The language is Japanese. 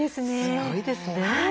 すごいですね。